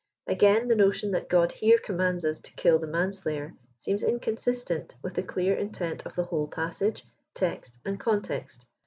Again, the notion that God here commands us to kill the man slayer, seems inconsistent with the clear intent of the whole pas sage, text and context.